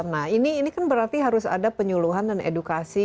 nah ini kan berarti harus ada penyuluhan dan edukasi